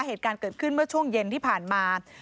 เหตุการณ์เกิดขึ้นเมื่อช่วงเย็นที่ผ่านมา